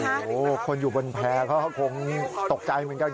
โหคนอยู่บนแพรร์เค้าคงตกใจเหมือนกันน่ะ